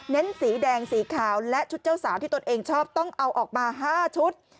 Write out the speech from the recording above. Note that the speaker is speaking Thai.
สีแดงสีขาวและชุดเจ้าสาวที่ตนเองชอบต้องเอาออกมา๕ชุด